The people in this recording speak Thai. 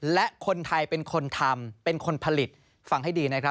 และคนไทยเป็นคนทำเป็นคนผลิตฟังให้ดีนะครับ